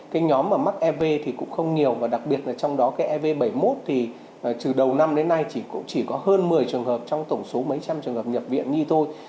cái nhóm mà mắc ev thì cũng không nhiều và đặc biệt là trong đó cái ev bảy mươi một thì từ đầu năm đến nay chỉ cũng chỉ có hơn một mươi trường hợp trong tổng số mấy trăm trường hợp nhập viện như tôi